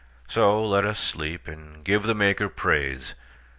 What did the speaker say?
So let us sleep, and give the Maker praise.